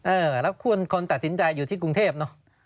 เออแล้วคนตัดสินใจอยู่ที่กรุงเทพเนอะ